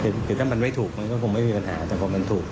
คือถ้ามันไม่ถูกมันก็คงไม่มีปัญหาแต่พอมันถูก